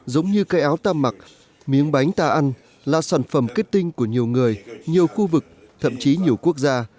giống như cây áo ta mặc miếng bánh ta ăn là sản phẩm kết tinh của nhiều người nhiều khu vực thậm chí nhiều quốc gia